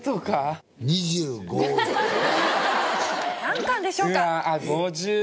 何巻でしょうか？